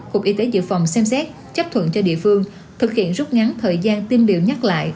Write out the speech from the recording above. cục y tế dự phòng xem xét chấp thuận cho địa phương thực hiện rút ngắn thời gian tiêm điều nhắc lại